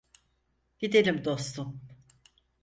Gidelim dostum.